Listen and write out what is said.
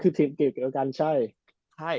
คือทีมเกรดเดียวกันใช่